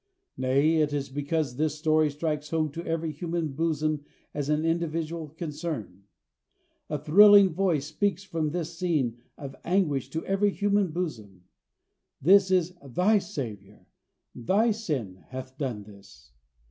Nay, it is because this story strikes home to every human bosom as an individual concern. A thrilling voice speaks from this scene of anguish to every human bosom: This is thy Savior. Thy sin hath done this.